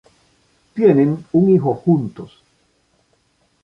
Tienen un hijo juntos.